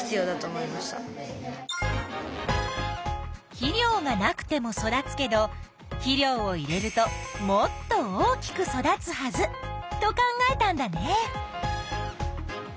肥料がなくても育つけど肥料を入れるともっと大きく育つはずと考えたんだね。